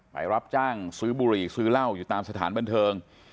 รับจ้างซื้อบุหรี่ซื้อเหล้าอยู่ตามสถานบันเทิง